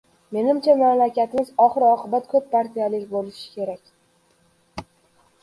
Menimcha, mamlakatimizda oxir-oqibat ko‘p partiyaviylik bo‘lishi kerak.